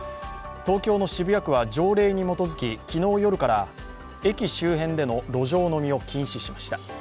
東京の渋谷区は条例に基づき、昨日夜から駅周辺での路上飲みを禁止しました。